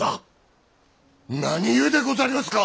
何故でござりますか！